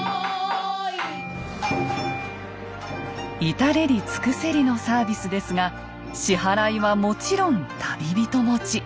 至れり尽くせりのサービスですが支払いはもちろん旅人持ち。